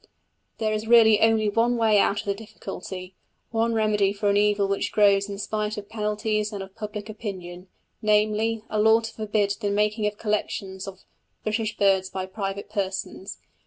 There is really only one way out of the difficulty, one remedy for an evil which grows in spite of penalties and of public opinion, namely, a law to forbid the making of collections of British birds by private persons.